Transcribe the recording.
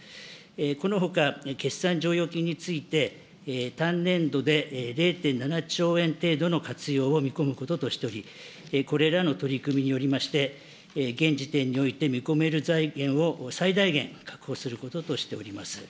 このほか、決算剰余金について、単年度で０．７兆円程度の活用を見込むこととしており、これらの取り組みによりまして、現時点において見込める財源を、最大限確保することとしております。